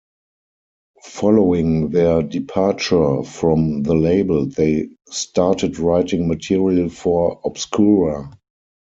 Following their departure from the label, they "started writing material for "Obscura".